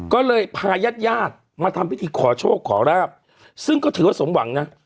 ก็เลยพาญาติญาติมาทำพิธีขอโชคขอราบซึ่งก็ถือว่าสมหวังนะ